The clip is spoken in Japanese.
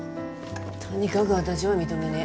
とにかく私は認めね。